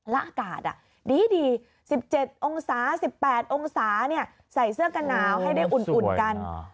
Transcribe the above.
และอากาศดี๑๗องศา๑๘องศาใส่เสื้อกันหนาวให้ได้อุ่นกัน